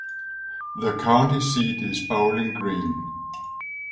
The county seat is Bowling Green.